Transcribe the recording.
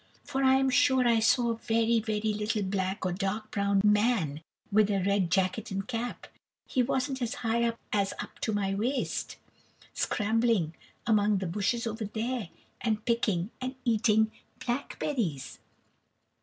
For I am sure I saw a very, very little black or dark brown man with a red jacket and cap he wasn't as high as up to my waist scrambling among the bushes over there, and picking and eating blackberries."